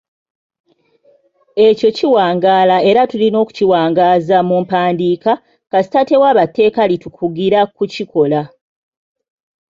Ekyo ekiwangaala era tulina okukiwangaaza mu mpandiika, kasita tewaba tteeka litukugira kukikola.